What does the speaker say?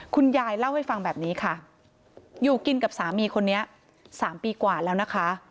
คุณยายเล่าให้ฟังแบบนี้ค่ะอยู่กินกับสามีคนนี้๓ปีกว่าแล้วนะคะ